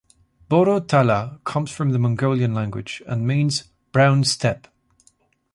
"Boro tala" comes from the Mongolian language, and means "brown steppe".